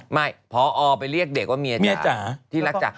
ไม่พอไปเรียกเด็กว่าเมียจ๊ะจ๋าที่รักจ๋า